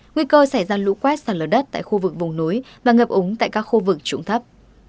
nguy cơ xảy ra lũ quét sạt lở đất tại khu vực vùng núi và ngập úng tại các khu vực trụng thấp